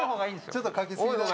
ちょっとかけすぎな。